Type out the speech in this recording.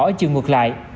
ở chương ngược lại